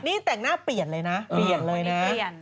นี่แต่งหน้าเปลี่ยนเลยนะเปลี่ยนเลยนะ